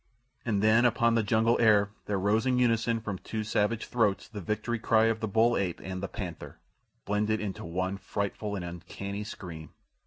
And then upon the jungle air there rose in unison from two savage throats the victory cry of the bull ape and the panther, blended into one frightful and uncanny scream.